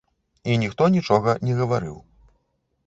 І ніхто нічога не гаварыў.